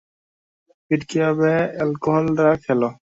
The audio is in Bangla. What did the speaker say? পিট কীভাবে অ্যালকোহলটা খেলো?